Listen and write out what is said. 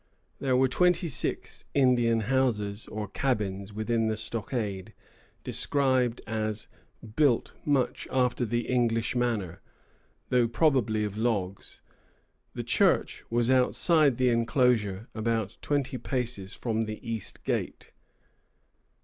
There were twenty six Indian houses, or cabins, within the stockade, described as "built much after the English manner," though probably of logs. The church was outside the enclosure, about twenty paces from the east gate.